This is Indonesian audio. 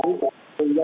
kita harus membuatnya